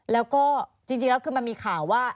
แล้วก็จริงแล้วคือมันมีข่าวว่า